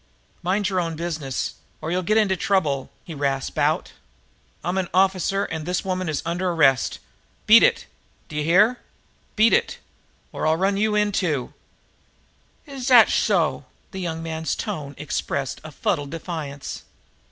"Mind your own business, or you'll get into trouble!" he rasped out. "I'm an officer, and this woman is under arrest. Beat it! D'ye hear? Beat it or I'll run you in, too!" "Is that'sh so!" The young man's tones expressed a fuddled defiance.